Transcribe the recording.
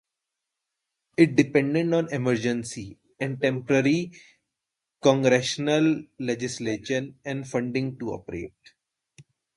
It depended on emergency and temporary Congressional legislation and funding to operate.